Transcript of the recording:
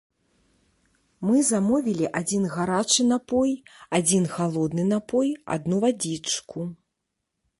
Мы замовілі адзін гарачы напой, адзін халодны напой, адну вадзічку.